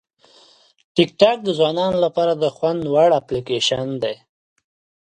ټیکټاک د ځوانانو لپاره د خوند وړ اپلیکیشن دی.